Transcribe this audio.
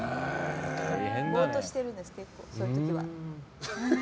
ぼーっとしてるんですそういう時は。